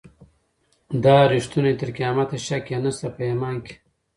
دا ریښتونی تر قیامته شک یې نسته په ایمان کي